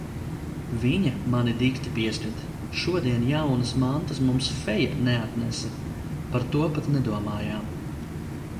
Viņa mani dikti pieskata. Šodien jaunas mantas mums feja neatnesa. Par to pat nedomājām.